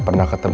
terima kasih om